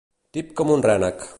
Tip com un rènec.